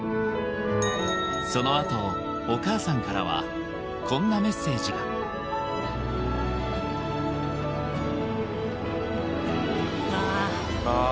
そのあとお母さんからはこんなメッセージがああ